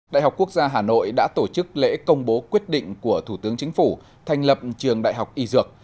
đại học quốc gia hà nội đã tổ chức lễ công bố quyết định của thủ tướng chính phủ thành lập trường đại học y dược